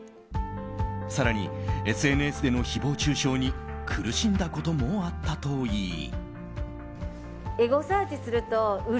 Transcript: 更に、ＳＮＳでの誹謗中傷に苦しんだこともあったといい。